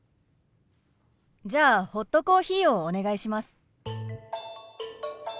じゃあホットコーヒーをお願いします。